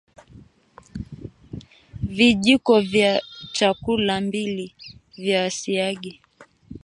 vijiko vya chakula mbili vya siagi